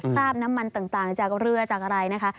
คราบน้ำมันต่างจากเรือจากอะไรนะคะ